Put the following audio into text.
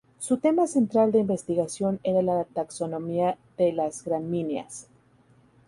Su tema central de investigación era la taxonomía de las gramíneas.